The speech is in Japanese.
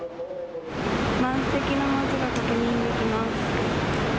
満席の文字が確認できます。